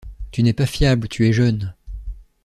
Tu n’es pas fiable, tu es jeune.